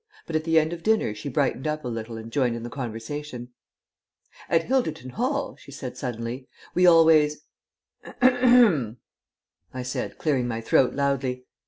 But at the end of dinner she brightened up a little and joined in the conversation. "At Hilderton Hall," she said suddenly, "we always " "H'r'm," I said, clearing my throat loudly.